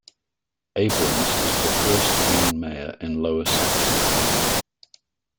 Abrahms is the first Green mayor in Lower Saxony.